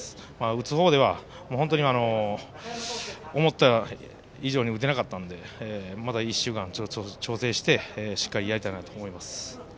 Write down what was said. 打つ方では思った以上に打てなかったのでまた１週間、調整してしっかりやりたいなと思います。